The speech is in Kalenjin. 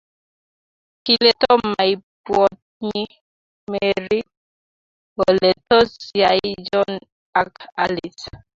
kile tom maipwotyi.mery kole tos yai Jonhn ak Alice